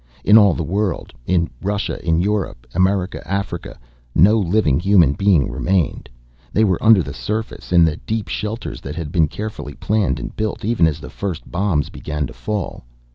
In all the world in Russia, in Europe, America, Africa no living human being remained. They were under the surface, in the deep shelters that had been carefully planned and built, even as the first bombs began to fall.